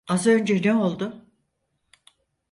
Az önce ne oldu?